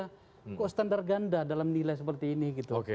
jadi itu adalah standar ganda dalam nilai seperti ini